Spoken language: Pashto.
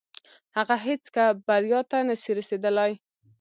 هغه هيڅکه بريا ته نسي رسيدلاي.